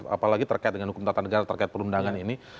apalagi terkait dengan hukum tata negara terkait perundangan ini